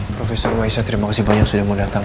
profesor waisyah terima kasih banyak sudah mau datang